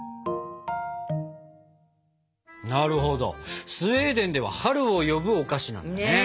なるほどスウェーデンでは春を呼ぶお菓子なんだね。